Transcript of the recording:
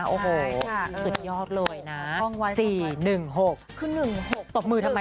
โอ้โหอึดยอกเลยนะ๔๑๖